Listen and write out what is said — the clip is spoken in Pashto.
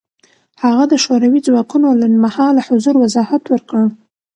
هغه د شوروي ځواکونو لنډمهاله حضور وضاحت ورکړ.